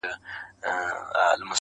د سپیني خولې دي څونه ټک سو-